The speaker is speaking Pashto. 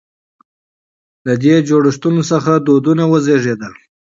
له دې جوړښتونو څخه کلتورونه وزېږېدل.